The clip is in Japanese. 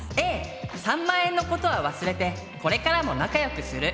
Ａ３万円のことは忘れてこれからも仲よくする。